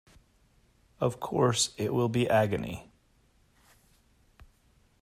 Of course, it will be agony.